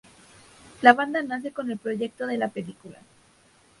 La banda nace con el proyecto de la película.